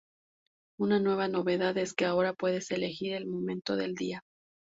Una nueva novedad es que ahora puedes elegir el momento del día.